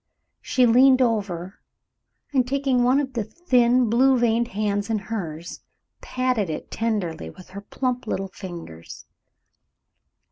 She leaned over, and taking one of the thin, blue veined hands in hers, patted it tenderly with her plump little fingers.